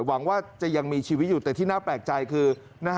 หวังว่าจะยังมีชีวิตอยู่แต่ที่น่าแปลกใจคือ